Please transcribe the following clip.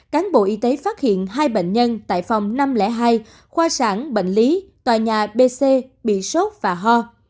cán bộ y tế phát hiện hai bệnh nhân tại phòng năm trăm linh hai khoa sản bệnh lý tòa nhà b c bị sốt và ho